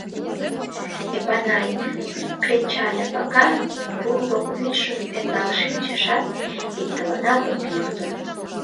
Эпанай ик кленча ляпака румбык вӱдшым ӧндал шинчешат, иктыланат ок йӱктӧ.